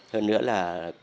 hơn nữa là